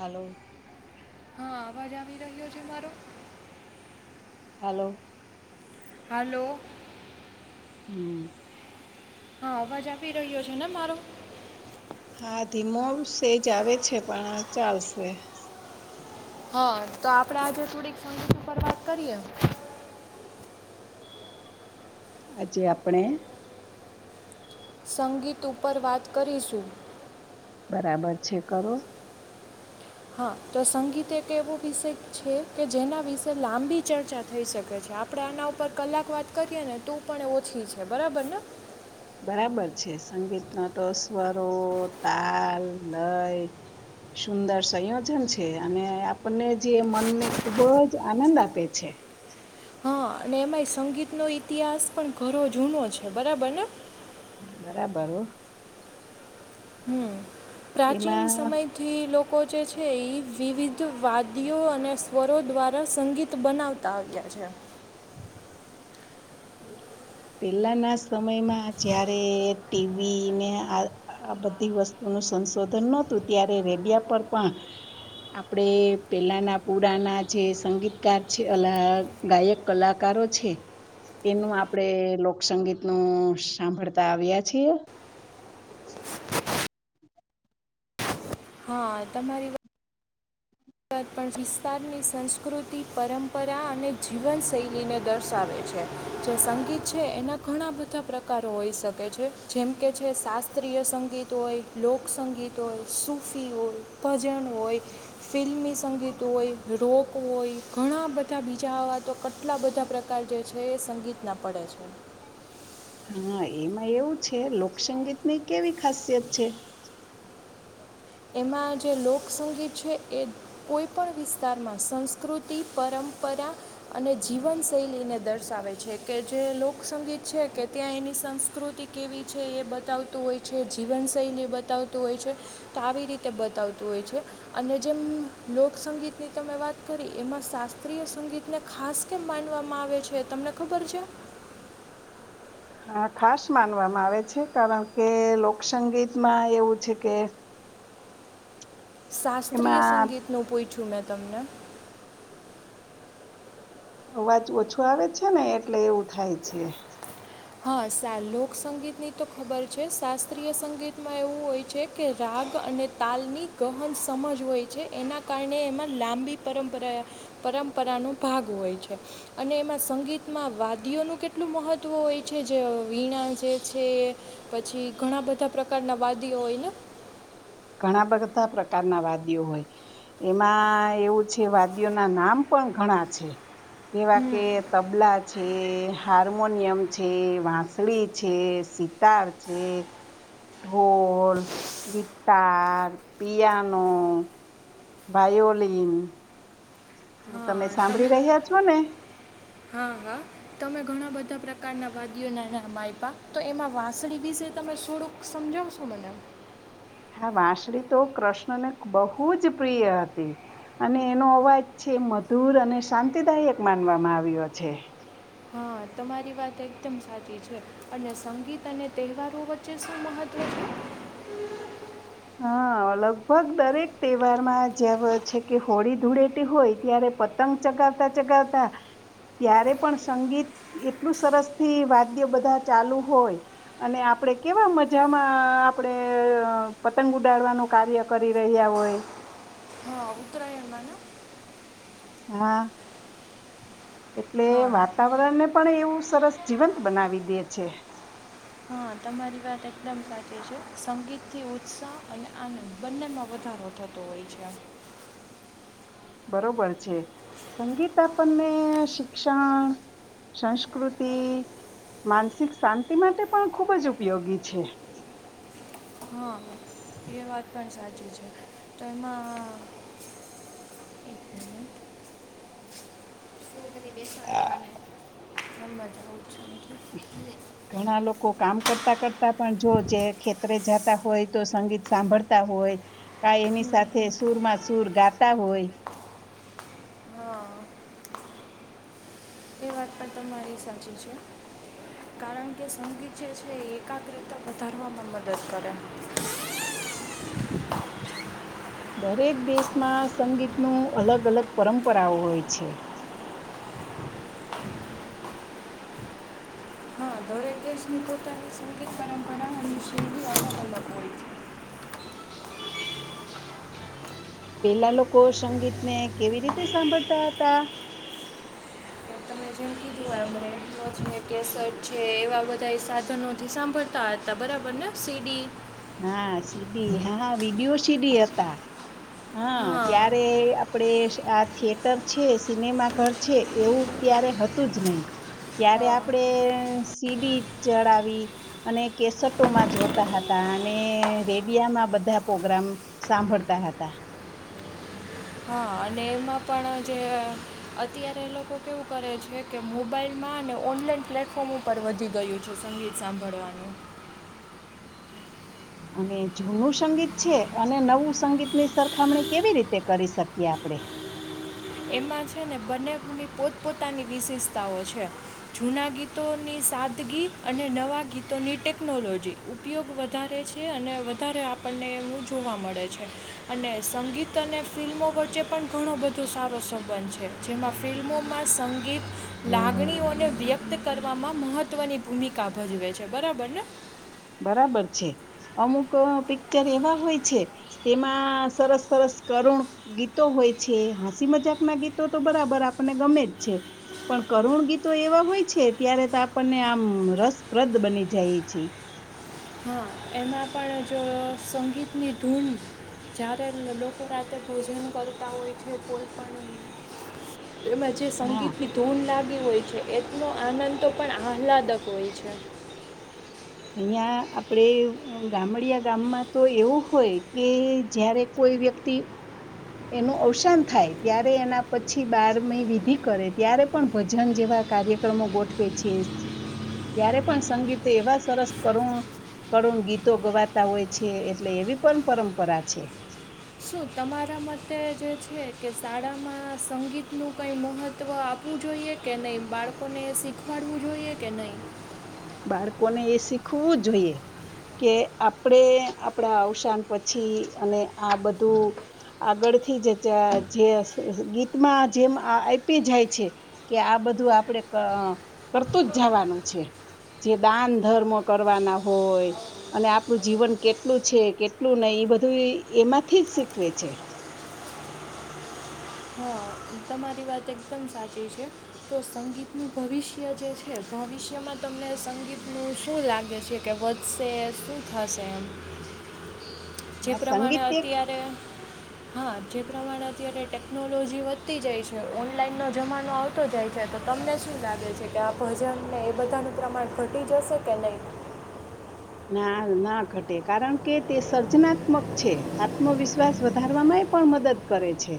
Hello હા અવાજ આવી રહ્યો છે મારો હલોો હાલો હમ હા મજા પી રહ્યો છે ને મારો હા ધીમો તે જ આવે છે પણ ચાલશે [inaudible] હા તો આપડે આજે થોડીક સમ ઉપર વાત કરીએે અજે આપણે સંગીત ઉપર વાત કરીશું બરાબર છે કરો હા તો સંગીત એક એવો વિષય છે કે જેના વિશે લાંબી ચર્ચા થઈ શકે છે કે આપણે આના ઉપર કલાક વાત કરીએ ને તું પણ ઓછી છે બરાબર ને બરાબર છે સંગીત ન તો સ્વરો તાલ લય સુંદર સંયોજન છે અને આપને જે મનને ખુબ જ આનંદ આપે છે હા અને એમાંય સંગીતનો ઇતિહાસ પણ ઘરોો જૂનો છે બરાબરને બરાબર હો હમ પ્રાચીન એમાં સમયથી લોકો જે છે એ વિવિધ વાદીઓ અને સ્વ દ્વારા સંગીત બનાવતા આવ્યા છે પેલાના સમયમાં જારે ટીવી ને આ આ બધી વસ્તુનું સંશોધન નહોતું ત્યારે રેડિયા પર પણ આપણેે પેલાના પુરાના જે સંગીતકાર છે ગાયક કલાકારો છે તેનું આપણેે લોકસંગીત નું સાંભળતા આવ્યા છીએ હા તમારી વાત ગુજરાત પણ વિસ્તારની સંસ્કૃતિ પરંપરા અને જીવન શૈલીને દર્શાવે છે જે સંગીત છે એના ઘણા બધા પ્રકાર કારો હોઈ શકે છે જેમ કે છે શાસ્ત્રીય સંગીત હોય લોકસંગીત હોય સફી હોય ભજન હોય ફિલ્મી સંગીત હોય રોક હોય ઘણા બધા બીજા હવા તો કેટલા બધા પ્રકાર જે છે એ સંગીતના પડે છે હા એમાં એવું છે લોકસંગીત ની કેવી ખાસિયત છે એમાં જે લોકસંગીત છે એ કોઈ પણણ વિસ્તારમાં સંસ્કૃતિ પરંપરા અને જીવનશૈલીને દર્શાવે છે કે જે લોકસંગીત છે કે ત્યાં એની સંસ્કૃતિ કેવી છે એ બતાવતું હોય છે જીવનશૈલી બતાવતું હોય છે તો આવી રીતે બતાવતું હોય છે અને જેમ લોકસંગીત ની તમે વાત કરી એમાં શાસ્ત્રીય સંગીતને ખાસ કેમ માનવામાં આવે છે તમને ખબર છે હા ખાસ માનવામાં આવે છે કારણ કે લોકસંગીતમાં એવું છે કે શાસ્ત્રીય એમાં સંગીતનો પોઈ છું મેં તમને અવાજ ઓછો આવે છે ને એટલે એવું થાય છે હા સા લોકસંગીતની તો ખબર છે શાસ્ત્રીય સંગીતમાં એવું હોય છે કે રાગ અને તાલની ગહન સમજ હોય છે એના કારણે એમાં લાંબી પરંપરા પરંપરાનો ભાગ હોય છે અને એમાં સંગીતમાં વાદીઓનું કેટલું મહત્ત્વ હોય છે જે વીણા જે છે પછી ઘણા બધા પ્રકારના વાદીઓ હોય ને ઘણા બધા પ્રકારના વાદ્યો હોય એમાં એવું છે વાદ્યો ના નામ પણ ઘણા છે જેવા કે તબલા છે હાર્મોનિયમ છે વાંસળી છે સિતાર છે ઢોલ ચાર પિયાનોો ભાયોલન હું તમે સાંભળી રહ્યા છો ને હા હા તમે ઘણા બધા પ્રકારના વાદીઓના નામ આપ્યા તો એમાં વાંસળી વિશે તમે થોડુંક સમજાવશો મને વાસળી તો કૃષ્ણને બહુ જ પ્રિય હતી અને એનો અવાજ છે મધુર અને શાંતિદાયક માનવામાં આવ્યો છે હા તમારી વાત એકદમ સાચી છે અને સંગીત અને તહેવારો વચ્ચે શું મહત્ત્વ છે હા લગભગ દરેક તહેવારમાં જેવ છે કે હોળી ધૂળેટી હોય ત્યારે પતંગ ચગાવતા ચગાવતા ત્યારે પણ સંગીત એટલું સરસ થી વાદ્ય બધા ચાલુ હોય અને આપણે કેવા મજામાં આપણે પતંગ ઉડાડવાનું કાર્ય કરી રહ્યા હોય છે હા ઉત્તરાયણમાં ને હા એટલે હા વાતાવરણને પણ એવું સરસ જીવંત બનાવી દે છે હા, તમારી વાત એકદમ સાચી છે સંગીતથી ઉત્સાહ અને આનંદ બંનેમાં વધારો થતો હોય છે બરોબર છે સંગીત આપણને શિક્ષણ સંસ્કૃતિ માનસિક શાંતિ માટે પણ ખૂબ જ ઉપયોગી છે હા એ વાત પણ સાચી છે તો એમાં એક મિનિટ કરીરી બેસણા દેવાને હ મ હત ઘણા લોકો કામ કરતા [inaudible] જો જે ખેત જાત હોય તો સંગીત સાંભળતા હોય કા એની સાથે હમ, સુરમાં સુૂર ગાત તાા હોય હા એ વાત પણ તમારી સાચી છે કારણ કે સંગીત જે છે એ એકાગ્રતા વધારવામાં મદદ કરે દરેક દેશમાં સંગીતનું અલગ અલગ પરંપરાઓ હોય છે વૈદાસનિકોતાની સંગીત પરંપરા અને સિલ્ંધી અ અલક હોય છે પેલા લોકો સંગીત ને કેવી રીતે સાંભળતા હતા છે તમે જેમ એવા બધા સાધનોથી સાંભળતા હતા બરાબર ને સીડી હા સીડી હા વિડીયો સીડી હતા હા ત્યારે આપડે આ થિયેટર છે સિનેમા ઘર છે એવું ત્યારે હતું જ નહી ત્યારે હા આપડે સીડી ચડાવી અને કેસટોમાં જોતા હતા અને રેડિયામાં બધા પ્રોગ્રામ સાંભળતા હતા હા અને એમાં પણ જે અત્યારે લોકો કેવું કરે છે કે મોબાઈલમાં અને ઓનલાઈન પ્લેટફોર્મ ઉપર વધી ગયું છે સંગીત સાંભળવાનું અને જૂનું સંગીત છે અને નવું સંગીતની સરખામણી કેવી રીતે કરી શકીએ આપડણે એમાં છે ને બંનેની પોતપોતાની વિશેષતાઓ છે જૂના ગીતોની સાદગી અને નવા ગીતોની ટેકનોલોજી ઉપયોગ વધારે છે અને વધારે આપણને એમનું જોવા મળે છે અને સંગીત અને ફિલ્મો વચ્ચે પણ ઘણું બધો સારું પ્રશોબંધ છે જેમાં ફિલ્મોમાં સંગીત લાગણીઓને વ્યક્ત કરવામાં મહત્વની ભૂમિકા ભજવે છે બરાબર ને બરાબર છે અમુક પિક્ચર એવા હોય છે તેમાં સરસ સરસ કરુણ ગીતો હોય છે હાંસી મજાક ના ગીતો તો બરાબર આપણને ગમે જ છે પણ કરુણ ગીતો એવા હોય છે ત્યારે તો આપણને આમ રસપ્રદ બની જાય છે હા એમાં પણ જો સંગીતની ધૂલ જ્યારે લોકો રાતે ભોજન કરતા હોય છે કોઈ પણ એમાં જે હા સંગીતની ધૂન લાગી હોય છે એ નો આનંદ તો પણ આહલાદક હોય છે. અહિયાં આપણેે ગામડયા ગામમાં તો એવું હોય કે જયારે કોઈ વ્યક્તિ, એનું અવસાન થાય ત્યારે એના પછી બારમી વિધિ કરે ત્યારે પણ ભજન જેવા કાર્યક્રમો ગોઠવે છે, ત્યારે પણ સંગીત એવા સરસ કરુણ કરુણ ગીતો ગવાતા હોય છે એટલે એવી પણ પરંપરા છે. શું તમારા મતે જે છે કે શાળામાં સંગીતનું કંઈ મહત્ત્વ આપવું જોઈએ કે નહીં બાળકોને શીખવાડવું જોઈએ કે નહીં? બાળકોને એ શીખવું જોઈએ, કે આપણે આપણા અવસાન પછી અને આ બધું, આગળથી જ જે ગીતમાં જેમ આપી જાય છે, કે આ બધું આપણેે કરતું જ જવાનું છે. જે દાન ધર્મ કરવાના હોય અને આપણું જીવન કેટલું છે કેટલું નહી એ બધું એમાંથી જ શીખવે છે. હા તમારી વાત એકદમ સાચી છે, તો સંગીતનું ભવિષ્ય જે છે ભવિષ્યમાં તમને સંગીતનું શું લાગે છે કે વધશે શું થશે એમ? જે આ પ્રમાણે સંગીત એ અત્યારે હા જે પ્રમાણે અત્યારે ટેકનોલોજી વધ આવતી જાય છે ઓનલાઈનનો જમાનો આવતો જાય છે તો તમને શું લાગે છે કે આ ભજને એ બધાનું પ્રમાણ ઘટી જશે કે નહીં? ના ના ઘટે કારણ કે તે સર્જનાત્મક છે, આત્મવિશ્વાસ વધારવામાં એ પણ મદદ કરે છે.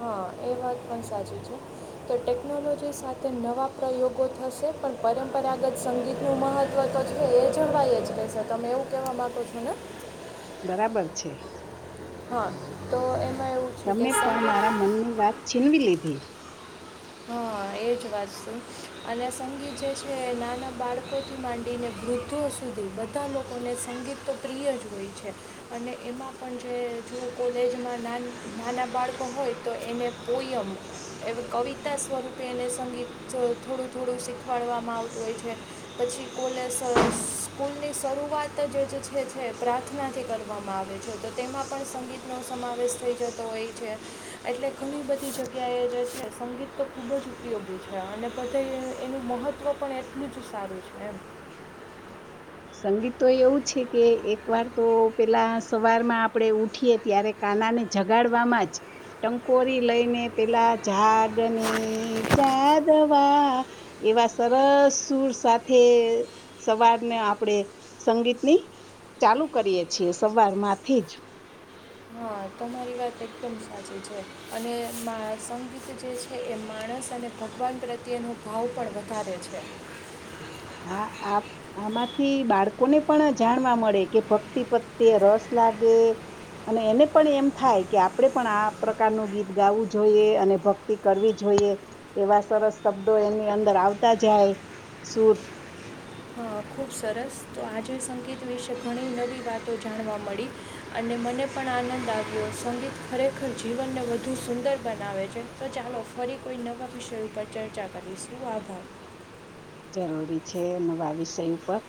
હા એ વાત પણ સાચી છે, તો ટેકનોલોજી સાથે નવા પ્રયોગો થશે પણ પરંપરાગત સંગીતનું મહત્ત્વ તો છે એ જણવાય જ કે સર તમે એવું કહેવા માગો છો ને? બરાબર છે. હા તો એમ તમે પણ મારા મનની વાત છીનવી લીધી. હા એ જ વાત છે, અને સંગીત જે છે નાના બાળકોથી માંડીને વૃદ્ધો સુધી બધા લોકોને સંગીત તો પ્રિય જ હોય છે, અને એમાં પણ જે જો કોલેજમાં ના નાના બાળકો હોય તો એને પોયમ, એ કવિતા તા સ્વરૂપે એને સંગીત થોડું થોડું શીખવાડવામાં આવતું હોય છે, પછી કોલેસ સ્કૂલની શરૂઆત જે છે છે પ્રાર્થનાથી કરવામાં આવે છે તો તેમાં પણ સંગીતનો સમાવેશ થઈ જતો હોય છે, એટલે ઘણી બધી જગ્યાએ જે છે સંગીત તો ખૂબ જ ઉપયોગી છે અને પછી એનું મહત્ત્વ પણ એટલું જ સારું છે એમ. સંગીત તો એવું છે કે એક વાર તો પેલા સવારમાં આપણે ઉઠીય ત્યારે કાના ને જગાડવામાં જ ટંકોરી લઈ ને પેલા જાગને જા દવા, એવા સરસ સુર સાથે સવારને આપણે, સંગીતની ચાલુ કરીએ છીએ સવાર માંથી જ. હા તમારી વાત એકદમ સાચી છે, અને સંગીત જે છે એ માણસ અને ભગવાન પ્રત્યેનો ભાવ પણ વધારે છે. આ આ આમાંથી બાળકોને પણ જાણવા મળે કે ભક્તિ પ્રત્યે રસ લાગે, અને એને પણ એમ થાય કે આપણે પણ આ પ્રકારનું ગીત ગાવું જોઈએ અને ભક્તિ કરવી જોઈએ, એવા સરસ શબ્દો એની અંદર આવતા જાય, સુર હા ખૂબ સરસ તો આજે સંગીત વિશે ઘણી નવી વાતો જાણવા મળી, અને મને પણ આનંદ આવ્યો સંગીત ખરેખર જીવનને વધુ સુંદર બનાવે છે, તો ચાલો ફરી કોઈ નવા વિષય ઉપર ચર્ચા કરીશું આભાર. જરૂરી છે નવા વિષય ઉપર.